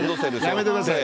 やめてください。